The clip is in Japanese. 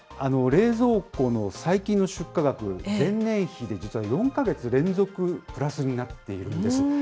冷蔵庫の最近の出荷額、前年比で実は４か月連続プラスになっているんです。